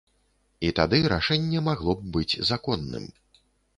І тады рашэнне магло б быць законным.